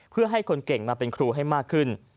เพื่อให้คนเก่งมาเป็นครูให้มากขึ้น